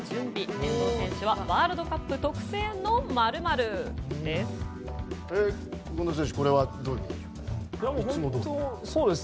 遠藤選手はワールドカップ特製の○○です。